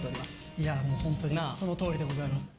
いや、もう本当にそのとおりでございます。